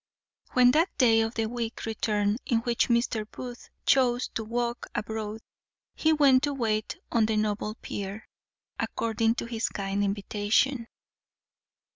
_ When that day of the week returned in which Mr. Booth chose to walk abroad, he went to wait on the noble peer, according to his kind invitation.